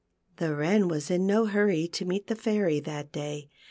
" The Wren was in no hurry to meet the Fairy that day.